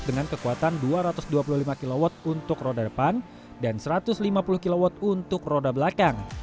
dengan kekuatan dua ratus dua puluh lima kw untuk roda depan dan satu ratus lima puluh kw untuk roda belakang